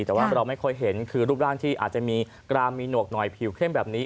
แต่ว่าเราไม่เคยเห็นคือรูปร่างที่อาจจะมีกรามมีหนวกหน่อยผิวเข้มแบบนี้